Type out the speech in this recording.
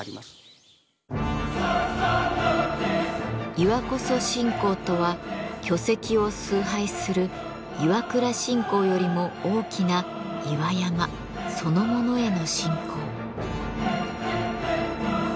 「岩社信仰」とは巨石を崇拝する磐座信仰よりも大きな岩山そのものへの信仰。